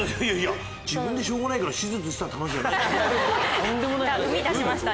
自分でしょうがないから手術した？